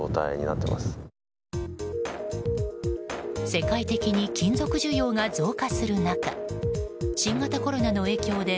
世界的に金属需要が増加する中新型コロナの影響で